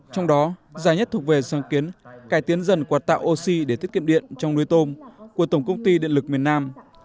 trong đó giải nhất thuộc về sáng kiến cải tiến dần quạt tạo oxy để tiết kiệm điện trong nuôi tôm của tổng công ty điện lực miền nam